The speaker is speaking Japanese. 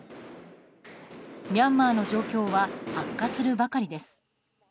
ミャンマーの状況は悪化するばかりです。